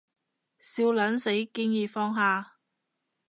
笑撚死，建議放下